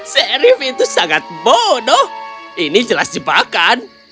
serif itu sangat bodoh ini jelas jebakan